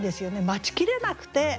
待ちきれなくて。